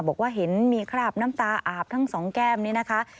บอกว่าเห็นมีคราบน้ำตาอาบทั้งสองแก้มนี้นะคะ